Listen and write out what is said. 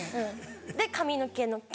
で「髪の毛」の「け」。